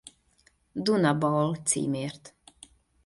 Duna Bowl címért.